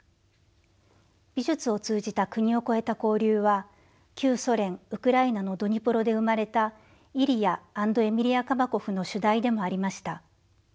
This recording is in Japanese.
美術を通じた国を越えた交流は旧ソ連ウクライナのドニプロで生まれたイリヤ＆エミリア・カバコフの主題でもありました。